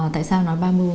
tại sao nói ba mươi bốn mươi